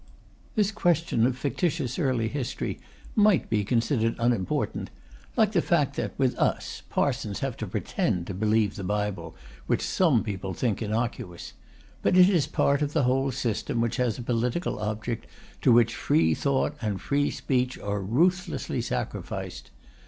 This question of fictitious early history might be considered unimportant, like the fact that, with us, parsons have to pretend to believe the Bible, which some people think innocuous. But it is part of the whole system, which has a political object, to which free thought and free speech are ruthlessly sacrificed.